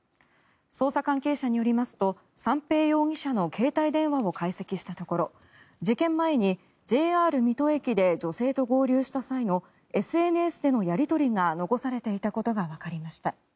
捜査関係者によりますと三瓶容疑者の携帯電話を解析したところ事件前にＪＲ水戸駅で女性と合流した際のＳＮＳでのやり取りが残されていたことがわかりました。